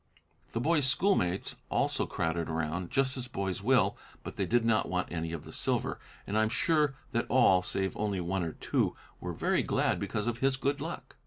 The boy's schoolmates also crowded around, just as boys will, but they did not want any of the silver, and I am sure that all, save only one or two, were very glad because of his good luck.